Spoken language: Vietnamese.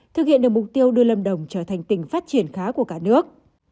thực hiện được mục tiêu đưa lâm đồng trở thành tỉnh phát triển khá của cả nước